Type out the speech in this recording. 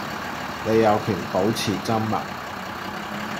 你有權保持緘默